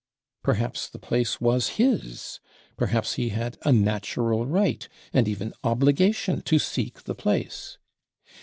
Perhaps the place was his, perhaps he had a natural right, and even obligation to seek the place!